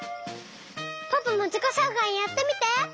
ポポもじこしょうかいやってみて！